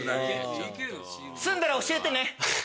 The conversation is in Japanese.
済んだら教えてね。